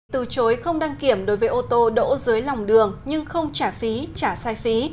từ chối không đăng kiểm đối với ô tô đỗ dưới lòng đường nhưng không trả phí trả sai phí